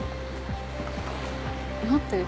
待って。